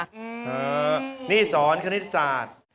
อืมนี่สอนคณิตศาสตร์